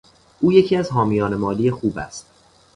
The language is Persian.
او یکی از حامیان مالی خوب است.